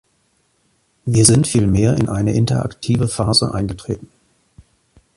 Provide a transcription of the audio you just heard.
Wir sind vielmehr in eine interaktive Phase eingetreten.